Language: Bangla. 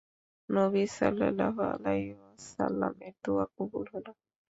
নবী সাল্লাল্লাহু আলাইহি ওয়াসাল্লামের দুআ কবুল হল।